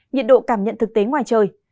nhiệt độ cảm nhận thực tế ngoài trời